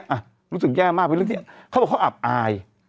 อ่ะรู้สึกแย่มากไปแล้วเนี้ยเขาบอกเขาอับอาย